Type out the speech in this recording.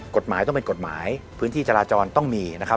กฎหมายต้องเป็นกฎหมายพื้นที่จราจรต้องมีนะครับ